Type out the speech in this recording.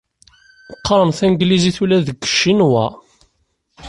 Qqaren tanglizit ula deg Ccinwa.